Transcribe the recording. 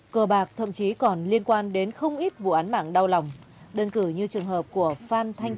cờ bạc thậm chí còn liên quan đến không ít vụ án mạng đau lòng đơn cử như trường hợp của phan thanh